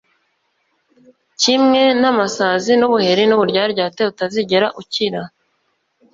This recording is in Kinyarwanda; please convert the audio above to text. kimwe n’amasazi, n’ubuheri, n’uburyaryate utazigera ukira.